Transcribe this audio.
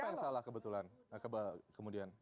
apa yang salah kebetulan kemudian